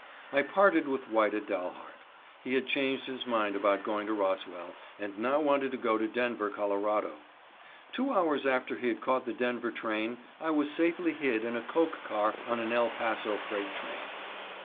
I parted with White at Dalhart. He had changed his mind about going to Roswell, and now wanted to go to Denver, Colo. Two hours after he had caught the Denver train I was safely hid in a coke car on an El Paso freight train.